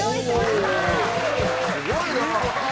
すごいな！